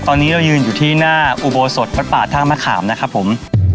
ตอนนี้เรายืนอยู่ที่หน้าอุโบสถวัดป่าท่ามะขามนะครับผม